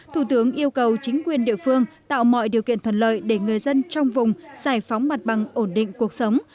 thủ tướng yêu cầu chính quyền địa phương tạo mọi điều kiện thuận lợi để người dân trong vùng giải phóng mặt bằng ổn định cuộc sống